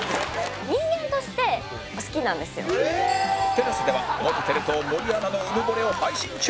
ＴＥＬＡＳＡ では元テレ東森アナのうぬぼれを配信中